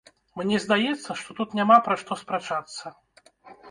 Мне здаецца, што тут няма пра што спрачацца.